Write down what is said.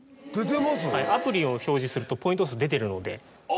アプリを表示するとポイント数出てるので。